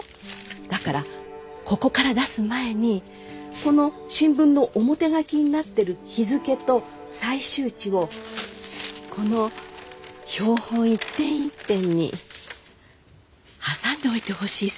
だからここから出す前にこの新聞の表書きになってる日付と採集地をこの標本一点一点に挟んでおいてほしいそうなの。